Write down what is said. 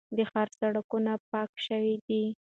د ښار سړکونه پاک شوي دي.